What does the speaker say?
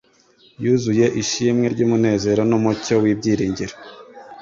yuzuye ishimwe ry'umunezero n'umucyo w'ibyiringiro